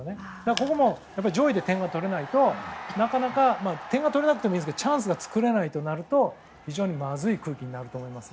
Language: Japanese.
ここも上位で点を取れないとなかなか点が取れなくてもいいですがチャンスが作れないとなるとまずい空気になると思います。